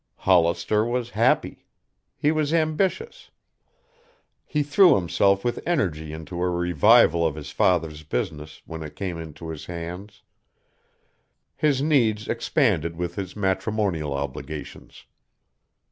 Hollister was happy. He was ambitious. He threw himself with energy into a revival of his father's business when it came into his hands. His needs expanded with his matrimonial obligations.